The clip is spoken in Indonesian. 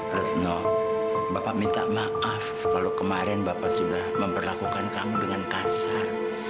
rasno bapak minta maaf kalau kemarin bapak sudah memperlakukan kamu dengan kasar